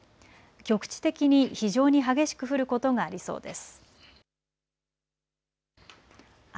局地的に非常に激しく降ることがありそうです。